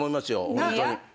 ホントに。